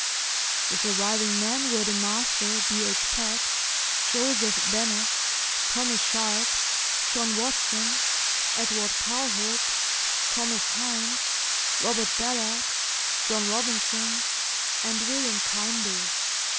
The surviving men were the master, B. H. Peck, Joseph Bennet, Thomas Sharp, John Watson, Edward Calthorp, Thomas Hines, Robert Ballard, John Robinson, and William Kinderey.